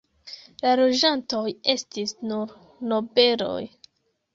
La loĝantoj estis nur nobeloj.